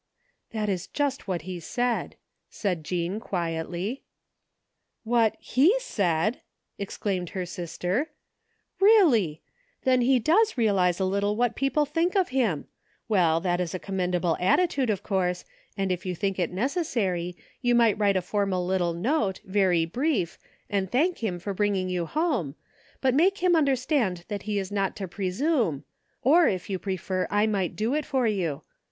That is just what he said," said Jean quietly. What he said! " exclaimed her sister. " Really! Then he does realize a little what people think of him ! Well, that is a commendable attitude, of course, and if you think it necessary, you might write a formal little note, very brief, and thank him for bringing you home, but make him understand that he is not to presume — or, if you prefer, I might do it for you.